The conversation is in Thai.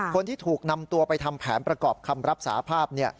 คนที่ถูกนำตัวไปทำแผนประกอบคำรับสาภาพ